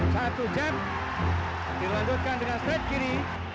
satu jam dilanjutkan dengan straight kiri